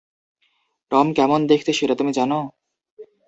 Tom কেমন দেখতে সেটা তুমি জানো?